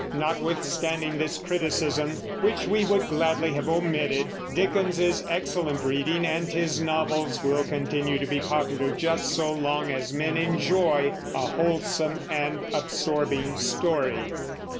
Notwithstanding this criticism, which we would gladly have omitted, Dickens is excellent reading, and his novels will continue to be popular just so long as men enjoy a wholesome and absorbing story.